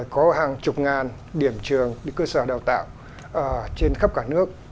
có hàng chục ngàn điểm trường cơ sở đào tạo trên khắp cả nước